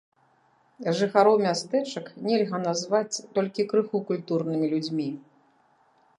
Жыхароў мястэчак нельга назваць толькі крыху культурнымі людзьмі.